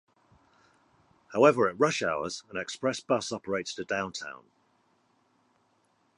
However, at rush hours an express bus operates to Downtown.